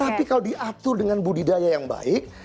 tapi kalau diatur dengan budidaya yang baik